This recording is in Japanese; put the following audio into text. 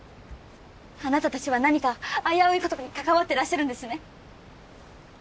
あなたたちは何か危ういことに関わってらっしゃるんですね。